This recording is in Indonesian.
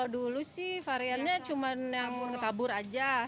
dulu sih variannya cuma yang ditabur aja